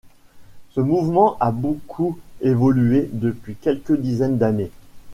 Ce mouvement a beaucoup évolué depuis quelques dizaines d'années.